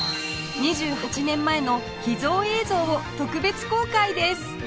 ２８年前の秘蔵映像を特別公開です